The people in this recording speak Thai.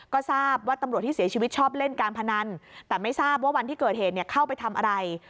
ก็ทราบว่าตำรวจที่เสียชีวิตชอบเล่นการพนันแต่ไม่ทราบว่าวันที่เกิดเหตุเข้าไปทำอะไร